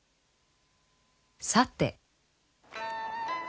さて。